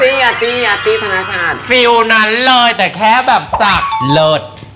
อตตี้อตตี้อตตี้ธนาชาติฟิวนั้นเลยแต่แค่แบบสักเลิศ